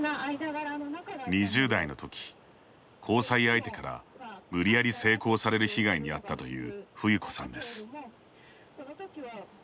２０代のとき、交際相手から無理やり性交される被害に遭ったという、ふゆこさんです。